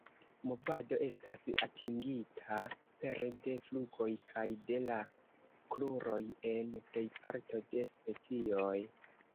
Movado estas atingita pere de flugoj kaj de la kruroj en plejparto de specioj.